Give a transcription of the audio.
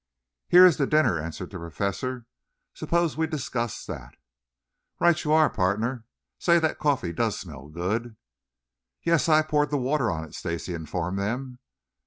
"Here is the dinner," answered the Professor. "Suppose we discuss that?" "Right you are, pardner. Say that coffee does smell good." "Yes, I poured the water on it," Stacy informed them.